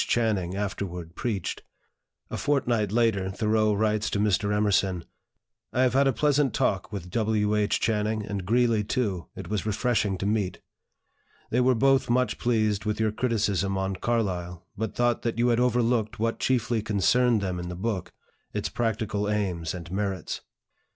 Channing afterward preached. A fortnight later, Thoreau writes to Mr. Emerson: "I have had a pleasant talk with W. H. Channing; and Greeley, too, it was refreshing to meet. They were both much pleased with your criticism on Carlyle, but thought that you had overlooked what chiefly concerned them in the book, its practical aims and merits."